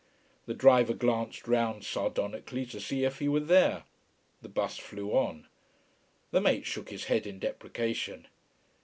The driver glanced round sardonically to see if he were there. The bus flew on. The mate shook his head in deprecation.